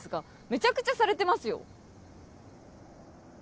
めちゃくちゃされてますよ。